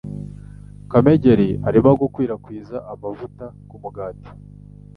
Kamegeri arimo gukwirakwiza amavuta kumugati.